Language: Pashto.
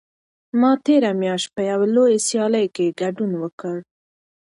ما تېره میاشت په یوې لویه سیالۍ کې ګډون وکړ.